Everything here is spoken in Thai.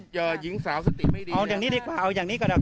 หญิงสาวสติไม่ดีเอาอย่างนี้ดีกว่าเอาอย่างนี้ก่อน